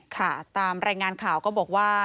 ค่ะตามรายงานข่าวก็บอกว่า